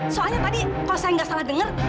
soalnya tadi kalo saya tidak salah dengar